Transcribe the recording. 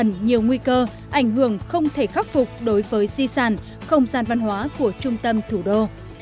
nhưng nhiều nguy cơ ảnh hưởng không thể khắc phục đối với di sản không gian văn hóa của trung tâm thủ đô